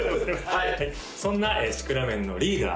はいそんなシクラメンのリーダー